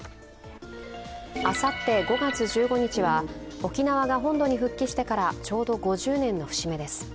あさって５月１５日は沖縄が本土に復帰してからちょうど５０年の節目です。